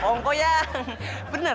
oh kok yang bener